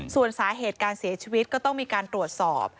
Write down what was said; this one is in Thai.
ส่วนสาเหตุการเสียชีวิตก็ต้องมีการตรวจสอบ